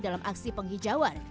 dalam aksi penghijauan